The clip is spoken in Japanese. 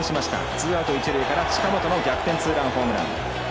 ツーアウト、一塁から近本の逆転ツーランホームラン。